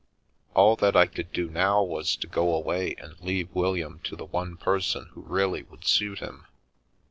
All that I could do now was to go away and leave William to the one person who really would suit him.